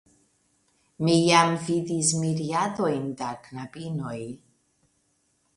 Mi jam vidis miriadojn da knabinoj.